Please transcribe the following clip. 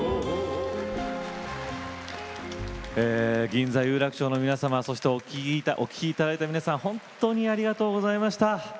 銀座・有楽町の皆さんお聴きいただいた皆さんありがとうございました。